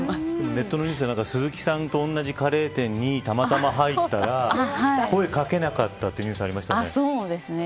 ネットのニュースで鈴木さんと同じカレー店にたまたま入ったら声かけなかったとニュースにされましたね。